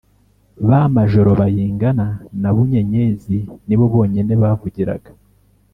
ba majoro bayingana na bunyenyezi ni bo bonyine bavugiraga